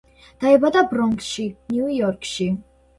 დაიბადა ბრონქსში, ნიუ-იორკში.